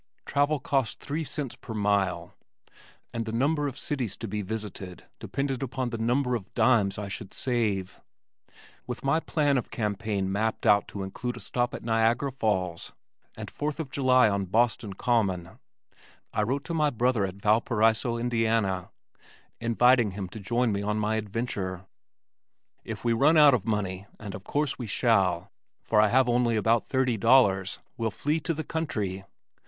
Travel cost three cents per mile, and the number of cities to be visited depended upon the number of dimes I should save. With my plan of campaign mapped out to include a stop at Niagara Falls and fourth of July on Boston Common I wrote to my brother at Valparaiso, Indiana, inviting him to join me in my adventure. "If we run out of money and of course we shall, for I have only about thirty dollars, we'll flee to the country.